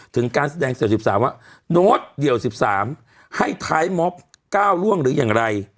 ถึงการแสดงเซลล์สิบสามว่าโน๊ตเดี่ยวสิบสามให้ไทมอบก้าวล่วงหรืออย่างไร